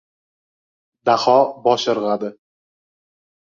Daho bosh irg‘adi.